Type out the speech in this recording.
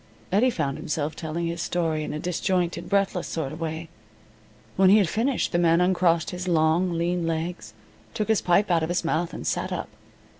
Eddie found himself telling his story in a disjointed, breathless sort of way. When he had finished the man uncrossed his long lean legs, took his pipe out of his mouth, and sat up.